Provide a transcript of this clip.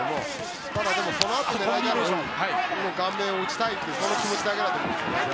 ただ、そのあと最終的に顔面を打ちたいというその気持ちだけだと思うんですね。